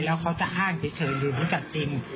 แล้วเขาจะอ้างเฉยหรือรู้จักจริง